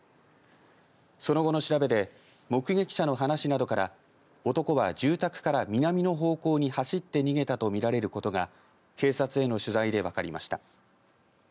その後の調べで目撃者の話などから男は住宅から南の方向に走って逃げたと見られることが警察への取材で分かりました。